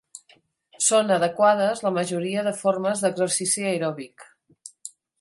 Són adequades la majoria de formes d'exercici aeròbic.